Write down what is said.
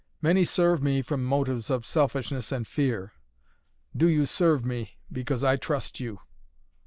"Many serve me from motives of selfishness and fear. Do you serve me, because I trust you."